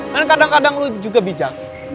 dan kadang kadang lo juga bijak